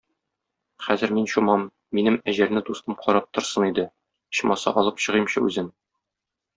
Хәзер мин чумам, минем әҗәлне дустым карап торсын иде, ичмаса, алып чыгыймчы үзен.